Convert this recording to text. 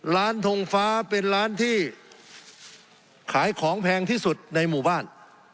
ทงฟ้าเป็นร้านที่ขายของแพงที่สุดในหมู่บ้าน